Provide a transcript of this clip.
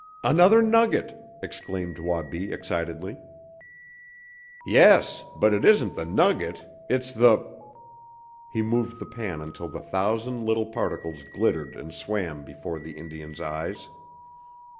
"Another nugget!" exclaimed Wabi excitedly. "Yes. But it isn't the nugget. It's the " He moved the pan until the thousand little particles glittered and swam before the Indian's eyes.